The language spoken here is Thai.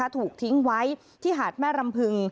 ถูกทิ้งไว้ที่หาดแม่รำพึง